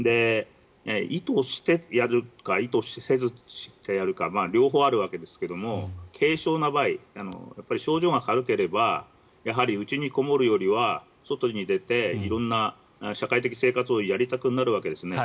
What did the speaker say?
意図してやるか意図せずやるか両方あるわけですが軽症な場合やっぱり症状が軽ければやはりうちにこもるよりは外に出て色んな社会的生活をやりたくなるわけですね。